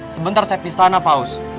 sebentar saya pisahin sana faus